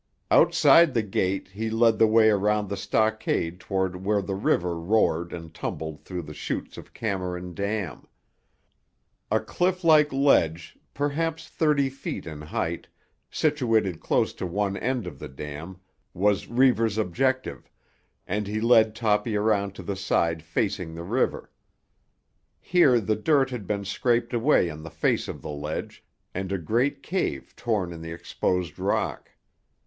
Outside the gate he led the way around the stockade toward where the river roared and tumbled through the chutes of Cameron Dam. A cliff like ledge, perhaps thirty feet in height, situated close to one end of the dam, was Reivers' objective, and he led Toppy around to the side facing the river. Here the dirt had been scraped away on the face of the ledge, and a great cave torn in the exposed rock.